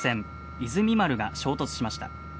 「いずみ丸」が衝突しました。